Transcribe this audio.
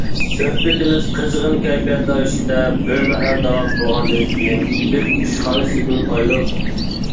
سۆھبىتىمىز قىزغىن كەيپىياتلار ئىچىدە بىر مەھەل داۋام قىلغاندىن كېيىن، بىز ئىشخانىسىدىن ئايرىلدۇق.